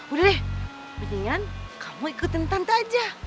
udah deh mendingan kamu ikutin tante aja